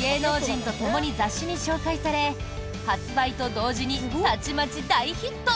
芸能人とともに雑誌に紹介され発売と同時にたちまち大ヒット。